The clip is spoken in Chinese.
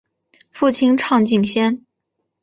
父亲畅敬先。